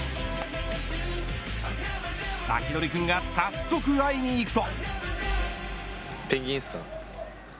サキドリくんが早速会いに行くと。